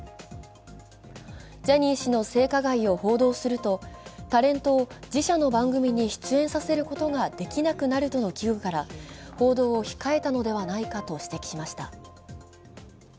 ジャニー氏の性加害を報道すると、タレントを自社の番組に出演させることができなくなるとの危惧から報道を控えたのではないかと指摘しました。